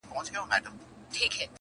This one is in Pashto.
خو خبري نه ختمېږي هېڅکله تل,